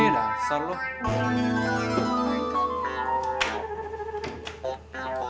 tsk enggak enggak